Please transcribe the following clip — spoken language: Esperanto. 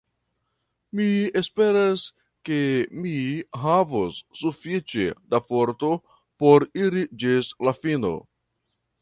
Mi esperas, ke mi havos sufiĉe da forto por iri ĝis la fino.